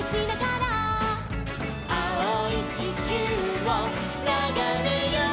「あおいちきゅうをながめよう！」